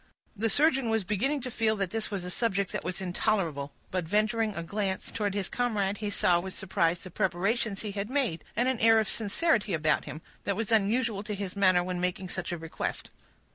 The surgeon was beginning to feel this was a subject that was intolerable, but venturing a glance towards his comrade, he saw with surprise the preparations he had made, and an air of sincerity about him, that was unusual to his manner when making such a request.